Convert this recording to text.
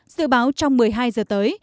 dự báo trong một mươi hai giờ tới